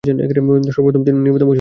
সর্বপ্রথম নির্মিত মসজিদ কোনটি?